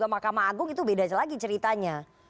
mahkamah agung itu beda lagi ceritanya